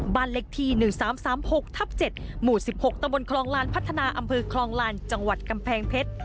บ้านเล็กที่๑๓๓๖ทับ๗หมู่๑๖ตะบนคลองลานพัฒนาอำเภอคลองลานจังหวัดกำแพงเพชร